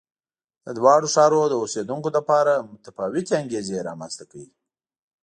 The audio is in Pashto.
د دواړو ښارونو د اوسېدونکو لپاره متفاوتې انګېزې رامنځته کوي.